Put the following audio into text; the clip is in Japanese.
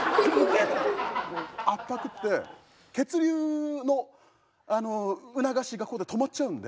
圧迫って血流のあの促しがここで止まっちゃうんで。